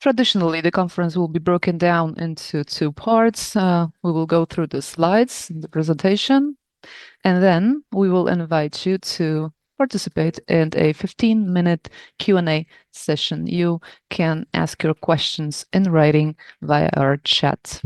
Traditionally, the conference will be broken down into two parts. We will go through the slides and the presentation, and then we will invite you to participate in a 15-minute Q&A session. You can ask your questions in writing via our chat.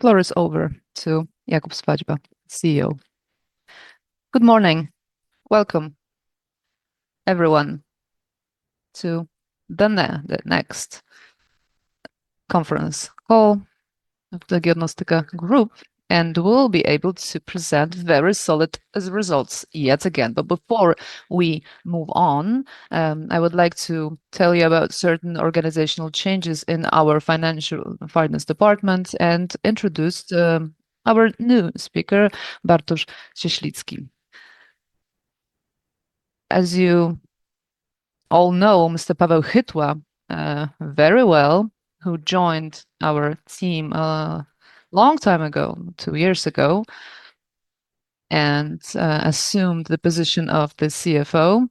The floor is over to Jakub Śwadźba, CEO. Good morning. Welcome, everyone, to the next conference call of the Diagnostyka Group, and we'll be able to present very solid results yet again. Before we move on, I would like to tell you about certain organizational changes in our finance department and introduce our new speaker, Bartosz Cieślicki. As you all know Mr. Paweł Hitwa, very well, who joined our team a long time ago, two years ago, and assumed the position of the CFO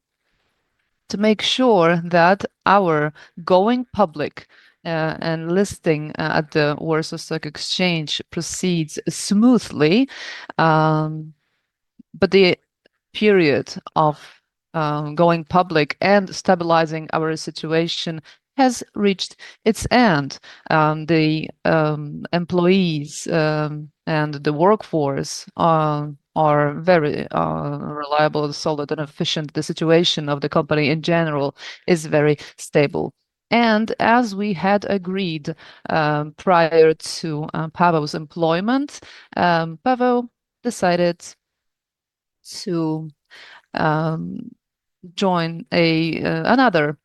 to make sure that our going public and listing at the Warsaw Stock Exchange proceeds smoothly. The period of going public and stabilizing our situation has reached its end. The employees and the workforce are very reliable, solid and efficient. The situation of the company in general is very stable. As we had agreed, prior to Paweł's employment, Paweł decided to join another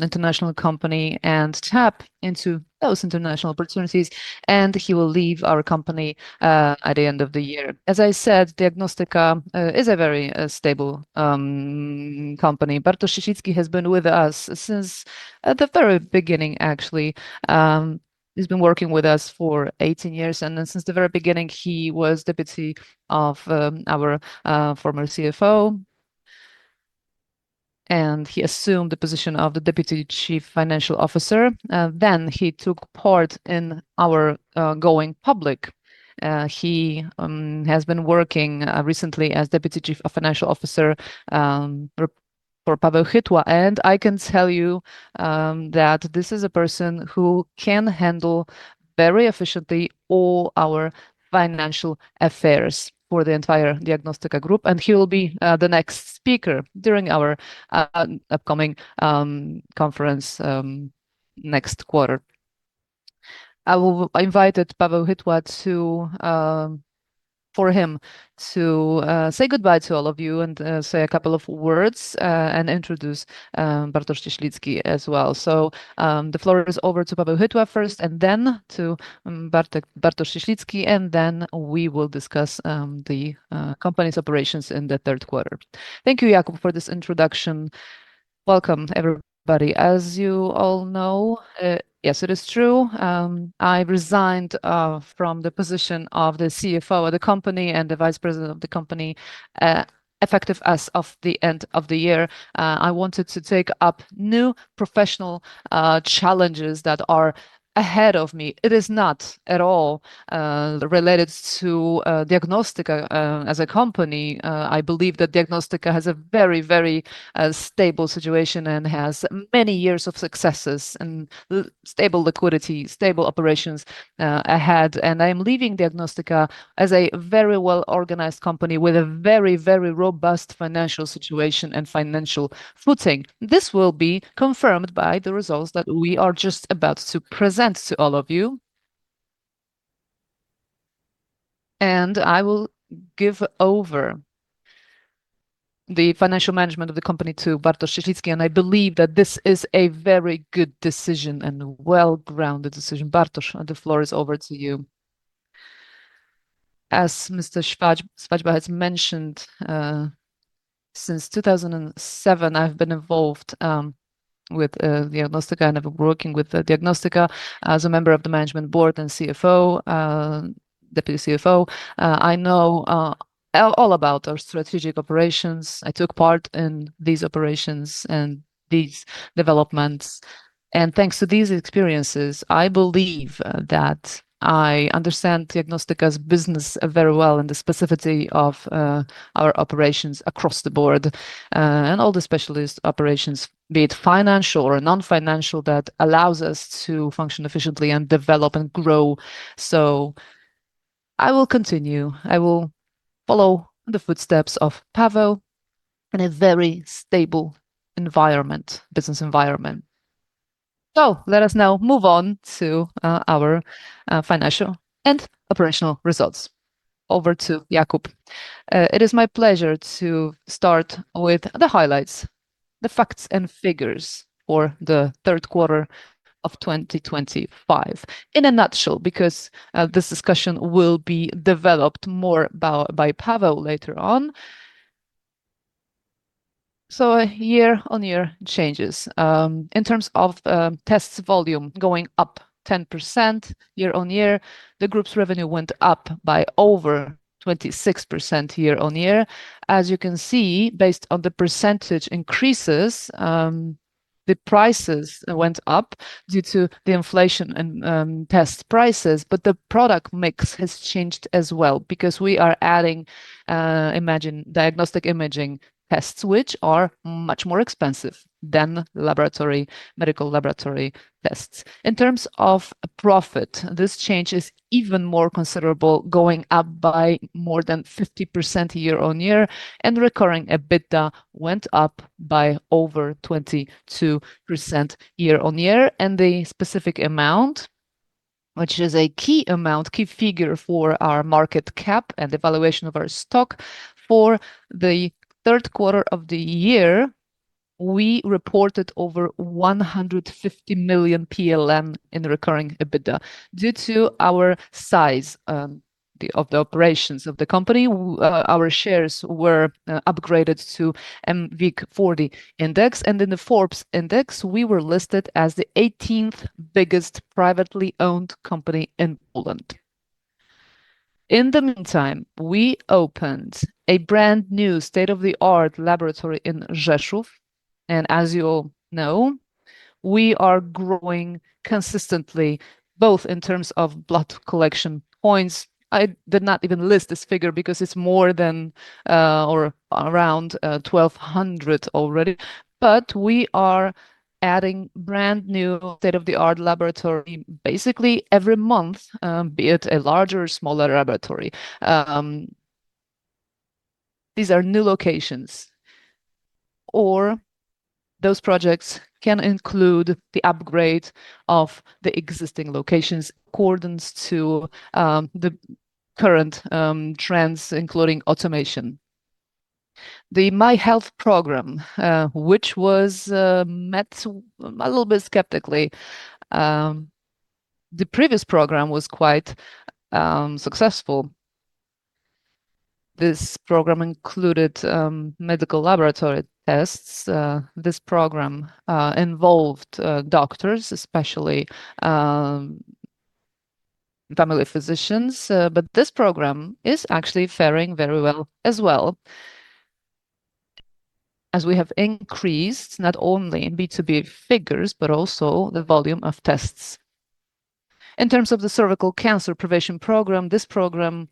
international company and tap into those international opportunities, and he will leave our company at the end of the year. As I said, Diagnostyka is a very stable company. Bartosz Cieślicki has been with us since at the very beginning, actually. He's been working with us for 18 years, and then since the very beginning, he was deputy of our former CFO, and he assumed the position of the Deputy Chief Financial Officer. He took part in our going public. He has been working recently as Deputy Chief Financial Officer for Paweł Hitwa. I can tell you that this is a person who can handle very efficiently all our financial affairs for the entire Diagnostyka Group. He will be the next speaker during our upcoming conference next quarter. I invited Paweł Hitwa for him to say goodbye to all of you and say a couple of words and introduce Bartosz Cieślicki as well. The floor is over to Paweł Hitwa first and then to Bartosz Cieślicki, and then we will discuss the company's operations in the third quarter. Thank you, Jakub, for this introduction. Welcome, everybody. As you all know, yes, it is true, I resigned from the position of the CFO of the company and the Vice President of the company, effective as of the end of the year. I wanted to take up new professional challenges that are ahead of me. It is not at all related to Diagnostyka as a company. I believe that Diagnostyka has a very stable situation and has many years of successes and stable liquidity, stable operations ahead. I am leaving Diagnostyka as a very well-organized company with a very, very robust financial situation and financial footing. This will be confirmed by the results that we are just about to present to all of you. I will give over the financial management of the company to Bartosz Cieślicki, and I believe that this is a very good decision and well-grounded decision. Bartosz, the floor is over to you. As Mr. Śwadźba has mentioned, since 2007, I've been involved with Diagnostyka and working with Diagnostyka as a member of the management board and CFO, Deputy CFO. I know all about our strategic operations. I took part in these operations and these developments, and thanks to these experiences, I believe that I understand Diagnostyka's business very well and the specificity of our operations across the board, and all the specialist operations, be it financial or non-financial, that allows us to function efficiently and develop and grow. I will continue. I will follow the footsteps of Paweł in a very stable environment, business environment. Let us now move on to our financial and operational results. Over to Jakub. It is my pleasure to start with the highlights, the facts and figures for the third quarter of 2025. In a nutshell, because this discussion will be developed more by Paweł later on. Year-on-year changes in terms of tests volume going up 10% year-on-year. The group's revenue went up by over 26% year-on-year. As you can see, based on the percentage increases, the prices went up due to the inflation and test prices, but the product mix has changed as well because we are adding imaging diagnostic imaging tests, which are much more expensive than laboratory, medical laboratory tests. In terms of profit, this change is even more considerable, going up by more than 50% year-on-year, and recurring EBITDA went up by over 22% year-on-year. The specific amount, which is a key amount, key figure for our market cap and the valuation of our stock for the third quarter of the year, we reported over 150 million in recurring EBITDA. Due to the size of the operations of the company, our shares were upgraded to mWIG40 index. In the Forbes index, we were listed as the 18th biggest privately owned company in Poland. In the meantime, we opened a brand-new state-of-the-art laboratory in Rzeszów. As you all know, we are growing consistently both in terms of blood collection points. I did not even list this figure because it's more than or around 1,200 already. We are adding brand-new state-of-the-art laboratory basically every month, be it a larger or smaller laboratory. These are new locations or those projects can include the upgrade of the existing locations according to the current trends, including automation. The Moje Zdrowie program, which was met a little bit skeptically. The previous program was quite successful. This program included medical laboratory tests. This program involved doctors, especially family physicians, but this program is actually faring very well as well as we have increased not only in B2B figures, but also the volume of tests. In terms of the cervical cancer prevention program, this program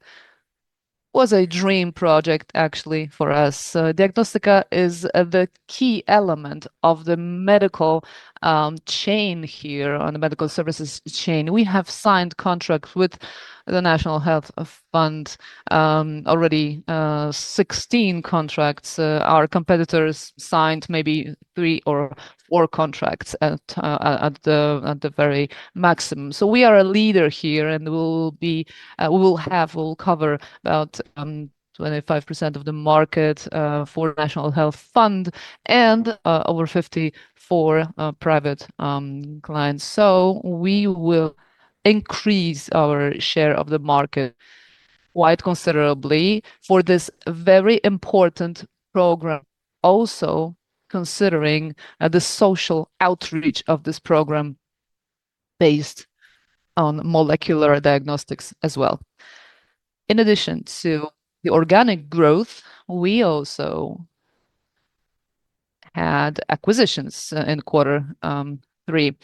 was a dream project actually for us. Diagnostyka is the key element of the medical chain here on the medical services chain. We have signed contracts with the National Health Fund already 16 contracts. Our competitors signed maybe three or four contracts at the very maximum. We are a leader here, and we will cover about 25% of the market for National Health Fund and over 54 private clients. We will increase our share of the market quite considerably for this very important program. Also considering the social outreach of this program based on molecular diagnostics as well. In addition to the organic growth, we also had acquisitions in Q3.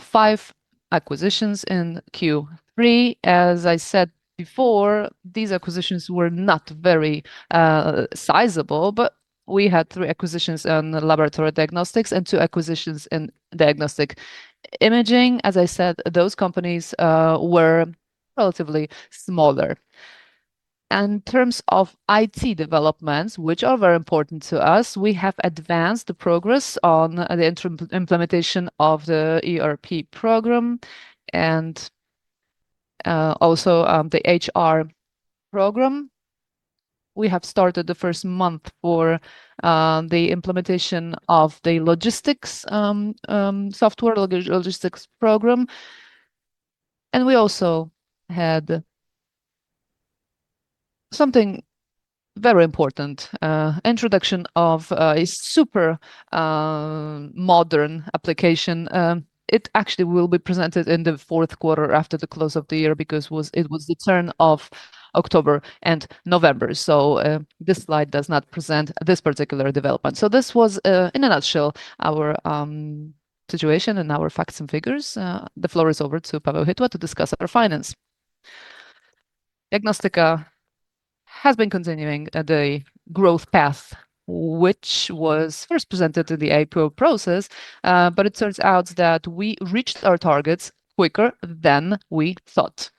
Five acquisitions in Q3. As I said before, these acquisitions were not very sizable, but we had three acquisitions in laboratory diagnostics and two acquisitions in diagnostic imaging. As I said, those companies were relatively smaller. In terms of IT developments, which are very important to us, we have advanced the progress on the implementation of the ERP program and also the HR program. We have started the first month for the implementation of the logistics software program. We also had something very important, introduction of a super modern application. It actually will be presented in the fourth quarter after the close of the year because it was the turn of October and November. This slide does not present this particular development. This was, in a nutshell, our situation and our facts and figures. The floor is over to Paweł Hitwa to discuss our finance. Diagnostyka has been continuing the growth path, which was first presented in the IPO process, but it turns out that we reached our targets quicker than we thought.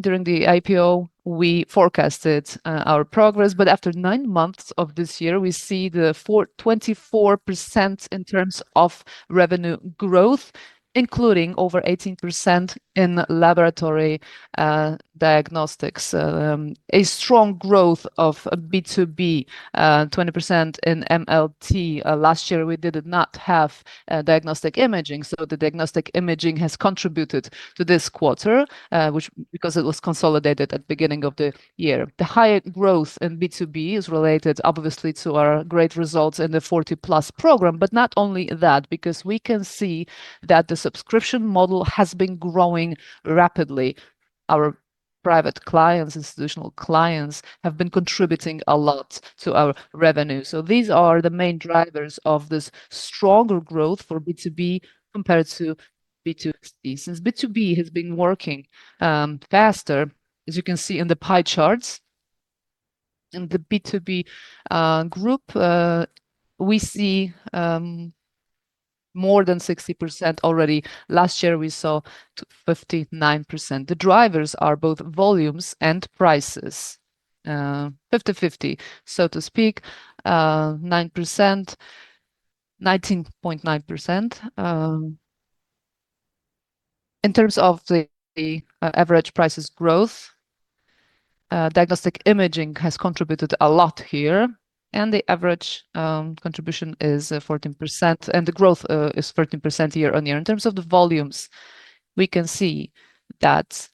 During the IPO, we forecasted our progress, but after nine months of this year, we see 24% in terms of revenue growth, including over 18% in laboratory diagnostics. A strong growth of B2B, 20% in MLT. Last year, we did not have diagnostic imaging, so the diagnostic imaging has contributed to this quarter, which because it was consolidated at beginning of the year. The higher growth in B2B is related obviously to our great results in the Profilaktyka 40 PLUS program. Not only that, because we can see that the subscription model has been growing rapidly. Our private clients, institutional clients, have been contributing a lot to our revenue. These are the main drivers of this stronger growth for B2B compared to B2C. Since B2B has been working faster, as you can see in the pie charts. In the B2B group, we see more than 60% already. Last year, we saw 59%. The drivers are both volumes and prices, 50/50, so to speak, 9%, 19.9%. In terms of average prices growth, diagnostic imaging has contributed a lot here, and the average contribution is 14%, and the growth is 13% year-on-year. In terms of the volumes, we can see that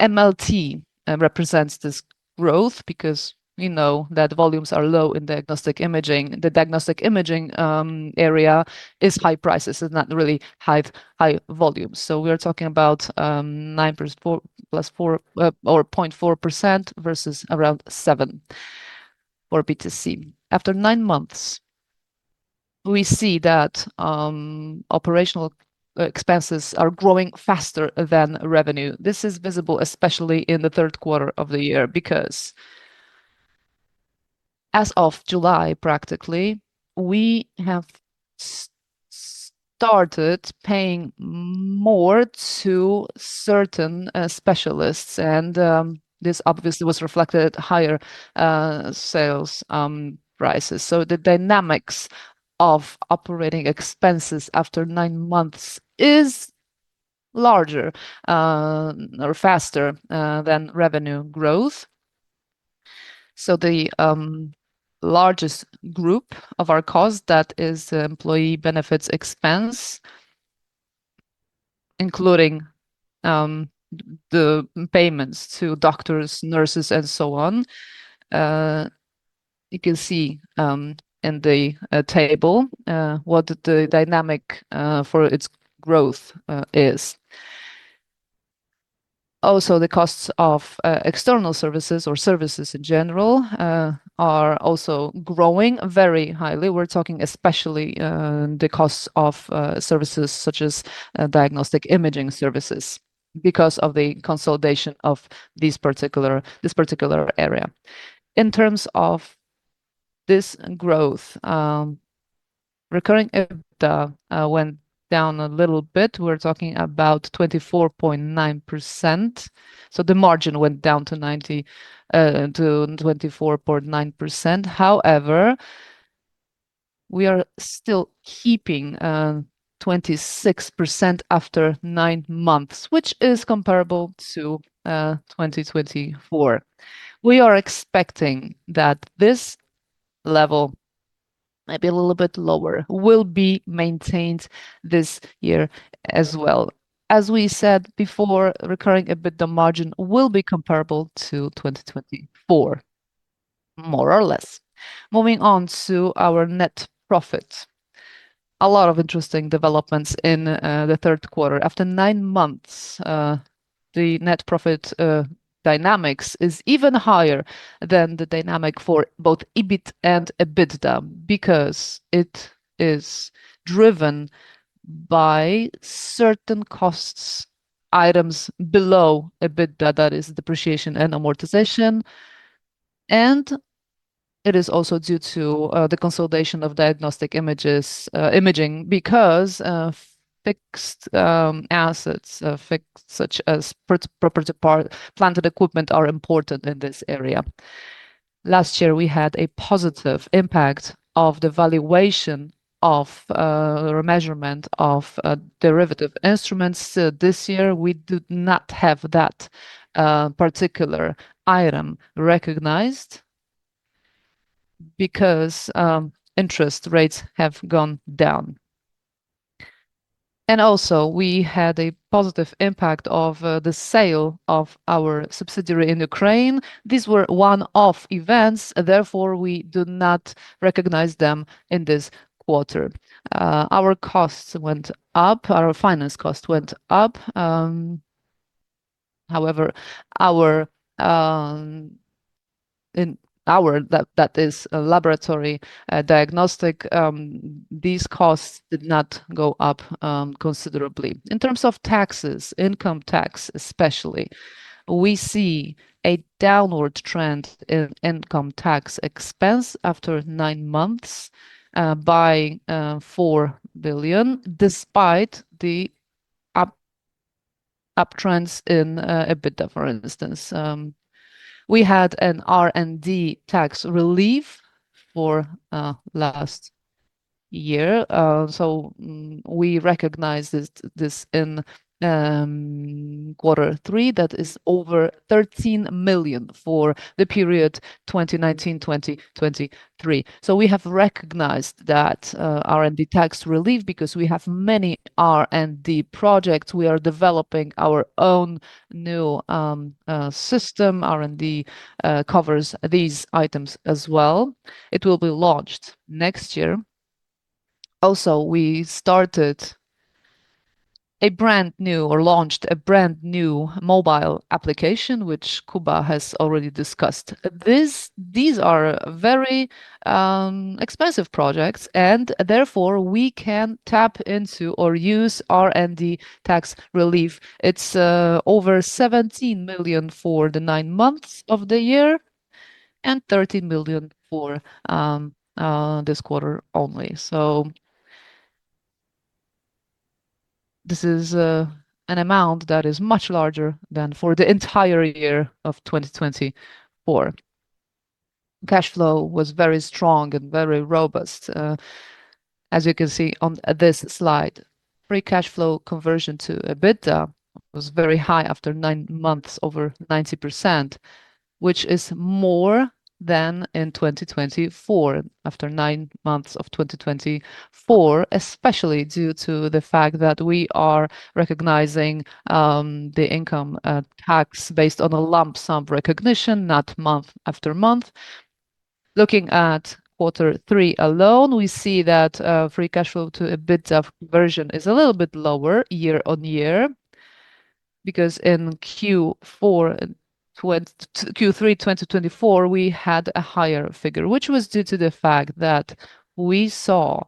MLT represents this growth because we know that volumes are low in diagnostic imaging. The diagnostic imaging area is high prices. It's not really high volumes. So we are talking about 9.4% versus around 7% for B2C. After nine months, we see that operational expenses are growing faster than revenue. This is visible especially in the third quarter of the year because as of July, practically, we have started paying more to certain specialists and this obviously was reflected in higher sales prices. The dynamics of operating expenses after nine months is larger or faster than revenue growth. The largest group of our cost, that is employee benefits expense, including the payments to doctors, nurses and so on. You can see in the table what the dynamic for its growth is. Also the costs of external services or services in general are also growing very highly. We're talking especially the costs of services such as diagnostic imaging services because of the consolidation of this particular area. In terms of this growth, recurring EBITDA went down a little bit. We're talking about 24.9%, so the margin went down to 24.9%. However, we are still keeping 26% after nine months which is comparable to 2024. We are expecting that this level, maybe a little bit lower, will be maintained this year as well. As we said before, recurring EBITDA margin will be comparable to 2024, more or less. Moving on to our net profit. A lot of interesting developments in the third quarter. After nine months, the net profit dynamics is even higher than the dynamic for both EBIT and EBITDA because it is driven by certain costs items below EBITDA, that is depreciation and amortization, and it is also due to the consolidation of diagnostic images, imaging because of fixed assets such as property, plant and equipment are important in this area. Last year we had a positive impact of the valuation of remeasurement of derivative instruments. This year we do not have that particular item recognized because interest rates have gone down. We had a positive impact of the sale of our subsidiary in Ukraine. These were one-off events, therefore we do not recognize them in this quarter. Our costs went up. Our finance cost went up, however, our laboratory diagnostic costs did not go up considerably. In terms of taxes, income tax especially, we see a downward trend in income tax expense after nine months by 4 billion despite the uptrends in EBITDA, for instance. We had an R&D tax relief for last year, so we recognized this in Q3, that is over 13 million for the period 2019-2023. We have recognized that R&D tax relief because we have many R&D projects. We are developing our own new system. R&D covers these items as well. It will be launched next year. Also, we launched a brand new mobile application, which Kuba has already discussed. These are very expensive projects, and therefore we can tap into or use R&D tax relief. It's over 17 million for the nine months of the year and 13 million for this quarter only. This is an amount that is much larger than for the entire year of 2024. Cash flow was very strong and very robust, as you can see on this slide. Free cash flow conversion to EBITDA was very high after nine months, over 90%, which is more than in 2024, after nine months of 2024, especially due to the fact that we are recognizing the income tax based on a lump sum recognition, not month after month. Looking at Q3 alone, we see that free cash flow to EBITDA conversion is a little bit lower year-on-year because in Q4 and Q3 2024, we had a higher figure, which was due to the fact that we saw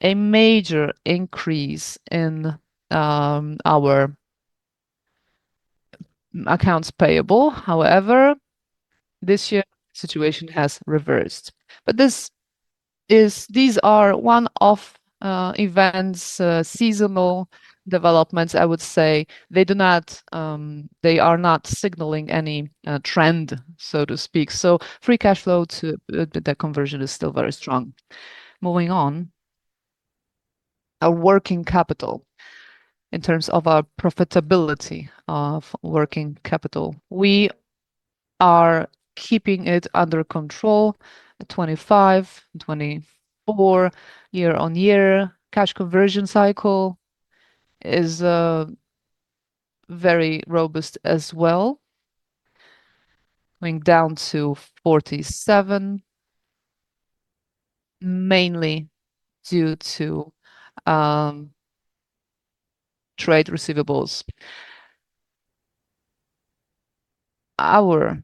a major increase in our accounts payable. However, this year, situation has reversed. These are one-off events, seasonal developments, I would say. They do not. They are not signaling any trend, so to speak. Free cash flow to EBITDA conversion is still very strong. Moving on, our working capital. In terms of our profitability of working capital, we are keeping it under control, at 25, 24 year-on-year. Cash conversion cycle is very robust as well, going down to 47, mainly due to trade receivables. Our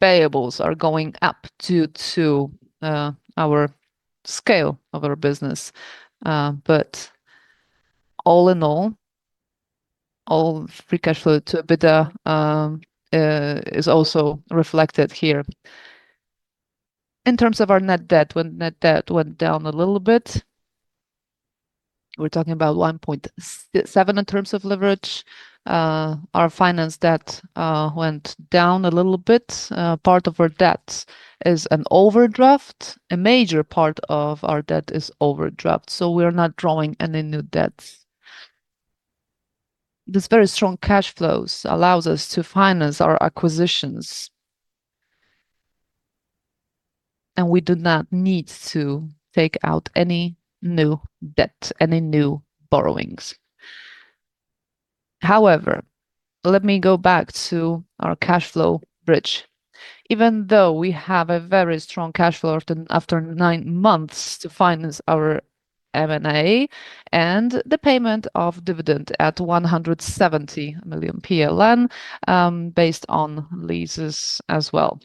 payables are going up due to our scale of our business. But all in all, free cash flow to EBITDA is also reflected here. In terms of our net debt, when net debt went down a little bit, we're talking about 1.7 in terms of leverage. Our finance debt went down a little bit. Part of our debt is an overdraft. A major part of our debt is overdraft, so we're not drawing any new debts. This very strong cash flows allows us to finance our acquisitions and we do not need to take out any new debt, any new borrowings. However, let me go back to our cash flow bridge. Even though we have a very strong cash flow after nine months to finance our M&A and the payment of dividend at 170 million PLN, based on leases as well.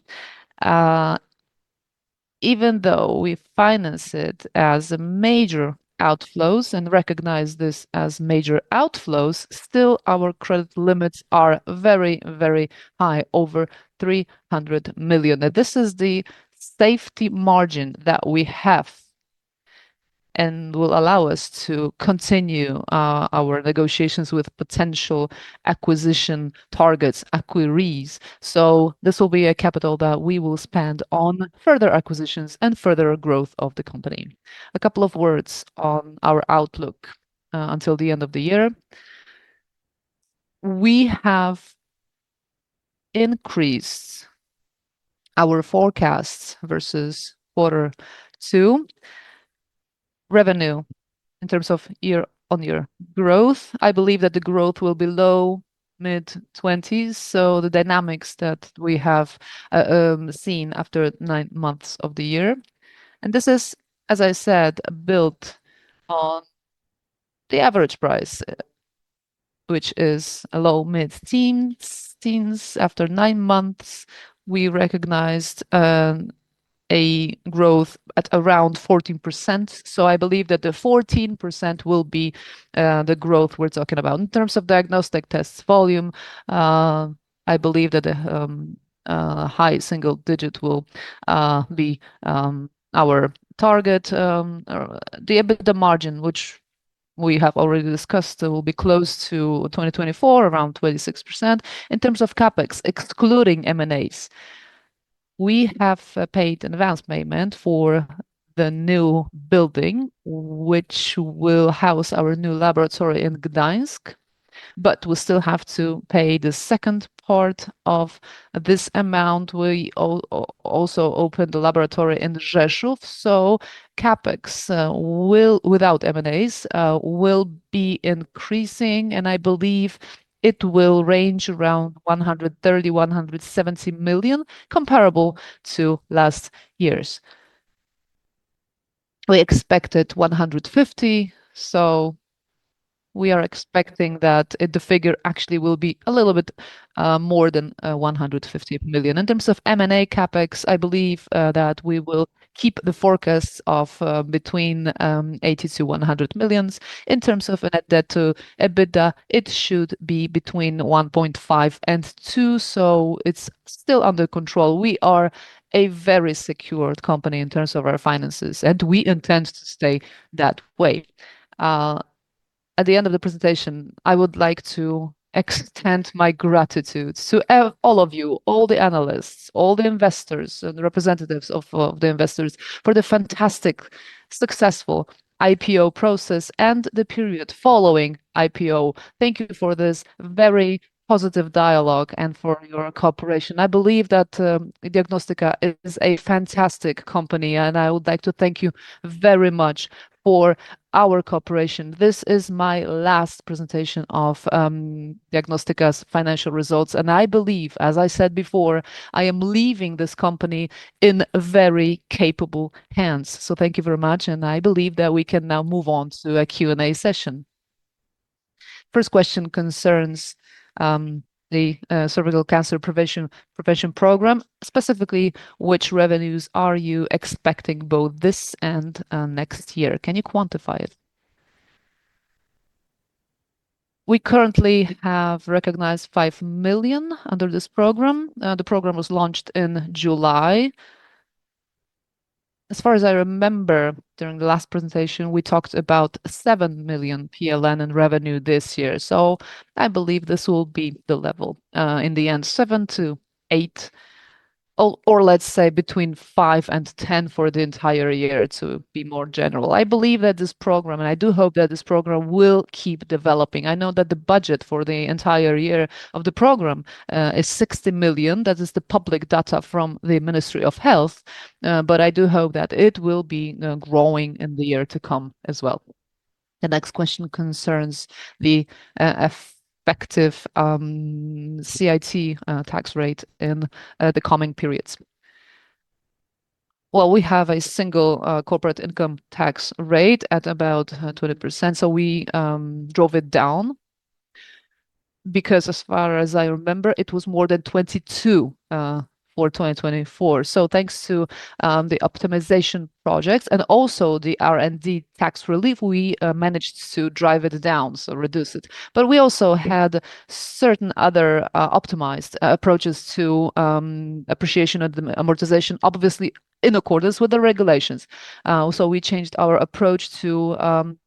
Even though we finance it as major outflows and recognize this as major outflows, still our credit limits are very, very high, over 300 million. Now, this is the safety margin that we have and will allow us to continue our negotiations with potential acquisition targets, acquirees. This will be a capital that we will spend on further acquisitions and further growth of the company. A couple of words on our outlook until the end of the year. We have increased our forecasts versus Q2. Revenue in terms of year-on-year growth, I believe that the growth will be low- to mid-20s%, so the dynamics that we have seen after nine months of the year. This is, as I said, built on the average price, which is low- to mid-teens percentage. After nine months, we recognized a growth at around 14%. I believe that the 14% will be the growth we're talking about. In terms of diagnostic tests volume, I believe that the high single digit will be our target, or the EBITDA margin, which we have already discussed will be close to 2024, around 26%. In terms of CapEx, excluding M&As, we have paid an advance payment for the new building, which will house our new laboratory in Gdańsk, but we still have to pay the second part of this amount. We also opened the laboratory in Rzeszów, so CapEx will, without M&As, will be increasing, and I believe it will range around 130 million-170 million, comparable to last year's. We expected 150, so we are expecting that the figure actually will be a little bit more than 150 million. In terms of M&A CapEx, I believe that we will keep the forecast of between 80 million and 100 million. In terms of net debt to EBITDA, it should be between 1.5 and 2, so it's still under control. We are a very secured company in terms of our finances, and we intend to stay that way. At the end of the presentation, I would like to extend my gratitude to all of you, all the analysts, all the investors and the representatives of the investors for the fantastic successful IPO process and the period following IPO. Thank you for this very positive dialogue and for your cooperation. I believe that Diagnostyka is a fantastic company, and I would like to thank you very much for our cooperation. This is my last presentation of Diagnostyka's financial results, and I believe, as I said before, I am leaving this company in very capable hands. Thank you very much, and I believe that we can now move on to a Q&A session. First question concerns the cervical cancer prevention program. Specifically, which revenues are you expecting both this and next year? Can you quantify it? We currently have recognized 5 million under this program. The program was launched in July. As far as I remember, during the last presentation, we talked about 7 million PLN in revenue this year. I believe this will be the level, in the end, seven to eight or let's say between 5 and 10 for the entire year to be more general. I believe that this program, I do hope that this program will keep developing. I know that the budget for the entire year of the program is 60 million. That is the public data from the Ministry of Health, but I do hope that it will be growing in the year to come as well. The next question concerns the effective CIT tax rate in the coming periods. Well, we have a single corporate income tax rate at about 20%, so we drove it down because as far as I remember, it was more than 22% for 2024. Thanks to the optimization projects and also the R&D tax relief, we managed to drive it down, so reduce it. We also had certain other optimized approaches to appreciation of the amortization, obviously in accordance with the regulations. We changed our approach to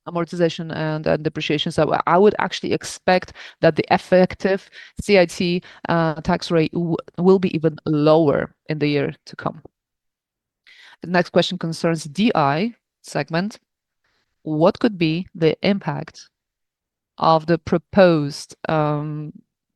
amortization and depreciation. I would actually expect that the effective CIT tax rate will be even lower in the year to come. The next question concerns DI segment. What could be the impact of the proposed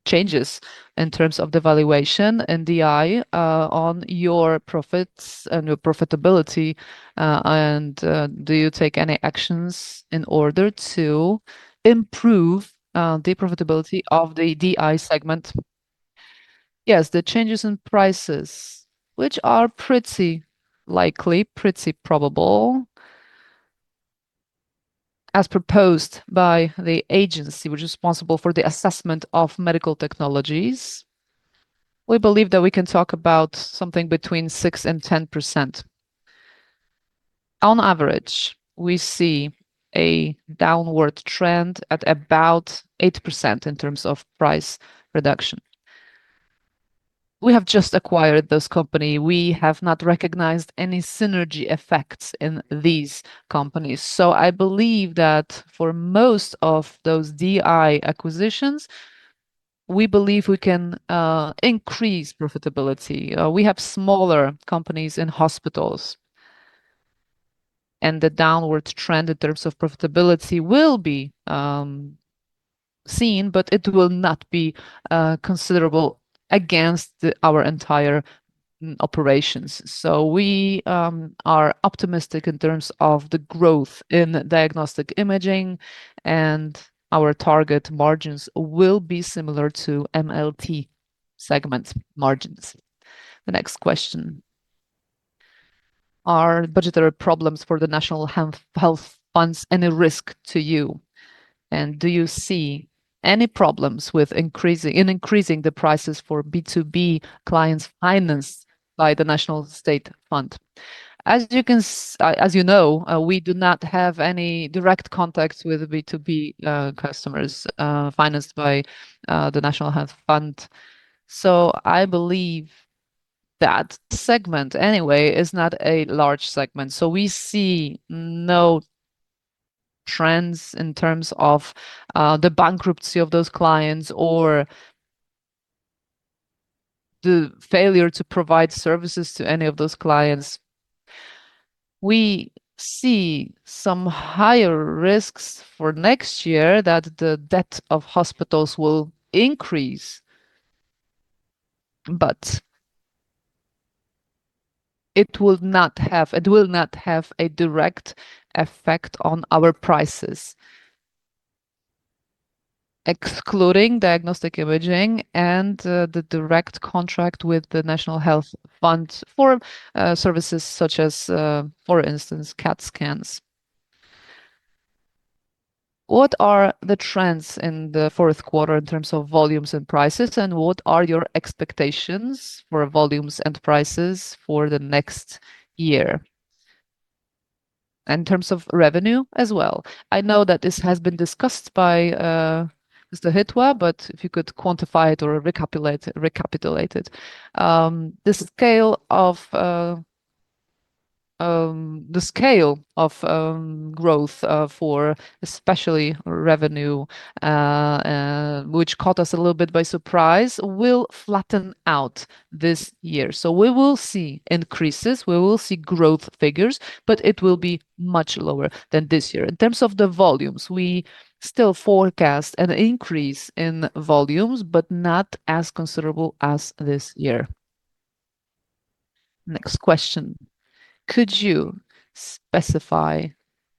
changes in terms of the valuation in DI on your profits and your profitability, and do you take any actions in order to improve the profitability of the DI segment? Yes, the changes in prices, which are pretty likely, pretty probable as proposed by the agency which is responsible for the assessment of medical technologies. We believe that we can talk about something between 6% and 10%. On average, we see a downward trend at about 8% in terms of price reduction. We have just acquired this company. We have not recognized any synergy effects in these companies. I believe that for most of those DI acquisitions, we believe we can increase profitability. We have smaller companies in hospitals, and the downward trend in terms of profitability will be seen, but it will not be considerable against our entire operations. We are optimistic in terms of the growth in diagnostic imaging, and our target margins will be similar to MLT segment margins. The next question: Are budgetary problems for the national health funds any risk to you? And do you see any problems with increasing the prices for B2B clients financed by the National Health Fund? As you know, we do not have any direct contacts with B2B customers financed by the National Health Fund. I believe that segment anyway is not a large segment. We see no trends in terms of the bankruptcy of those clients or the failure to provide services to any of those clients. We see some higher risks for next year that the debt of hospitals will increase, but it will not have a direct effect on our prices. Excluding diagnostic imaging and the direct contract with the National Health Fund for services such as, for instance, CT scans. What are the trends in the fourth quarter in terms of volumes and prices, and what are your expectations for volumes and prices for the next year? In terms of revenue as well. I know that this has been discussed by Mr. Hitwa, but if you could quantify it or recapitulate it. The scale of growth for especially revenue, which caught us a little bit by surprise, will flatten out this year. We will see increases, we will see growth figures, but it will be much lower than this year. In terms of the volumes, we still forecast an increase in volumes, but not as considerable as this year. Next question. Could you specify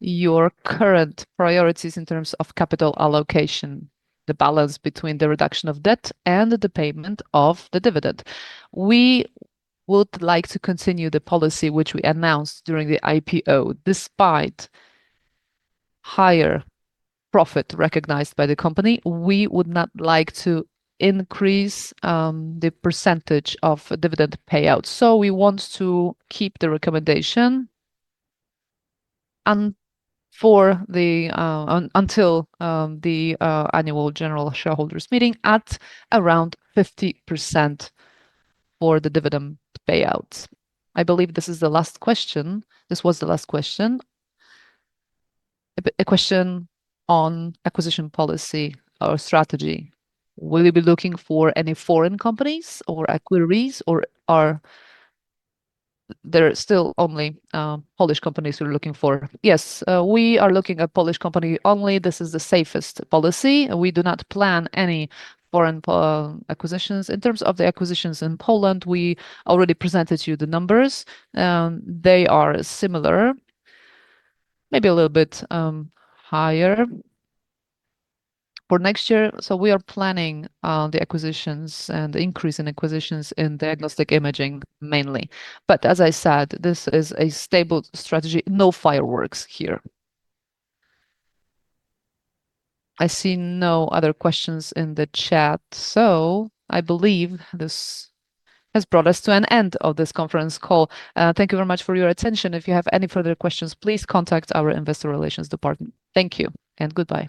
your current priorities in terms of capital allocation, the balance between the reduction of debt and the payment of the dividend? We would like to continue the policy which we announced during the IPO. Despite higher profit recognized by the company, we would not like to increase the percentage of dividend payout. We want to keep the recommendation until the annual general shareholders meeting at around 50% for the dividend payouts. I believe this is the last question. This was the last question. A question on acquisition policy or strategy. Will you be looking for any foreign companies or equities, or are there still only Polish companies we're looking for? Yes. We are looking at Polish company only. This is the safest policy. We do not plan any foreign acquisitions. In terms of the acquisitions in Poland, we already presented you the numbers. They are similar, maybe a little bit higher for next year. We are planning the acquisitions and the increase in acquisitions in diagnostic imaging mainly. But as I said, this is a stable strategy. No fireworks here. I see no other questions in the chat, so I believe this has brought us to an end of this conference call. Thank you very much for your attention. If you have any further questions, please contact our Investor Relations department. Thank you and goodbye.